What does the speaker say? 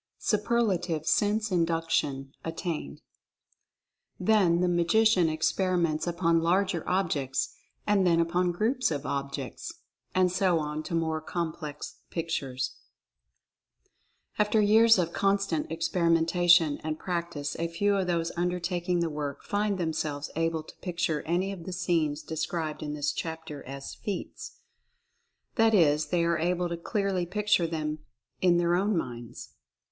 SUPERLATIVE SENSE INDUCTION ATTAINED. Then the Magician experiments upon larger objects, and then upon groups of objects, and so on to more complex pictures. 1 68 Mental Fascination After years of constant experimentation and prac tice a few of those undertaking the work find them selves able to picture any of the scenes described in this chapter as "feats" — that is, they are able to clearly picture them in their own minds.